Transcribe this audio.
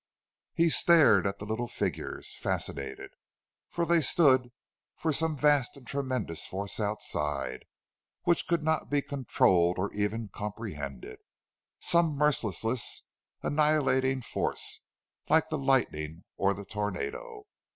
He stared at the little figures, fascinated; they stood for some vast and tremendous force outside, which could not be controlled or even comprehended,—some merciless, annihilating force, like the lightning or the tornado.